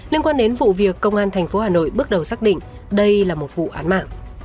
liên quan đến vụ việc công an thành phố hà nội bước đầu xác định đây là một vụ án mạng